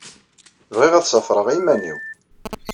Bɣiɣ ad ṣafreɣ i yiman-inu.